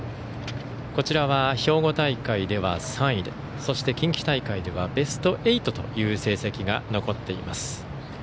こちらは兵庫大会では３位で近畿大会ではベスト８という成績が残っています。